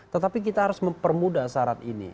tetapi kita harus mempermudah syarat ini